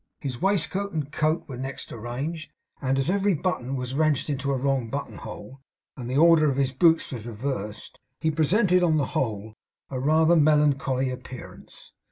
His waistcoat and coat were next arranged; and as every button was wrenched into a wrong button hole, and the order of his boots was reversed, he presented on the whole rather a melancholy appearance.